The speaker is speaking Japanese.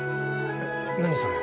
えっ何それ？